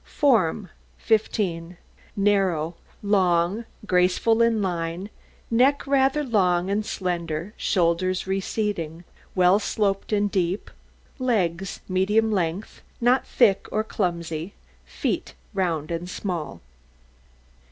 FORM 15 Narrow, long, graceful in line, neck rather long and slender; shoulders receding, well sloped and deep; legs medium length, not thick nor clumsy; feet round and small.